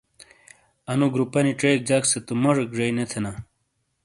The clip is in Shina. اَنُو گُروپانی ژیک جَک سے موجیک جیئی نے تھینا۔